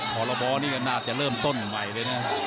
พรบนี่ก็น่าจะเริ่มต้นใหม่เลยนะ